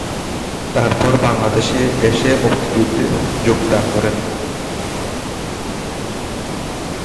তারপর বাংলাদেশে এসে মুক্তিযুদ্ধে যোগদান করেন।